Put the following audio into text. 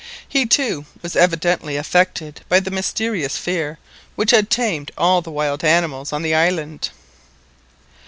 He, too, was evidently affected by the mysterious fear which had tamed all the wild animals on the island.